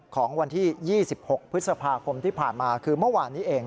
ของวันที่๒๖พฤษภาคมที่ผ่านมาคือเมื่อวานนี้เอง